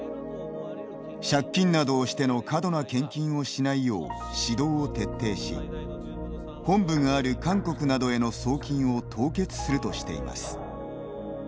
借金などをしての過度な献金をしないよう指導を徹底し本部がある韓国などへの送金を凍結するとしています。